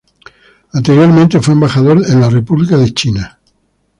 Anteriormente fue embajador en la República de China.